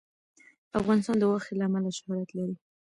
افغانستان د غوښې له امله شهرت لري.